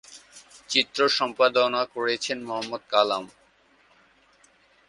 চিত্র সম্পাদনা করেছেন মোহাম্মদ কালাম।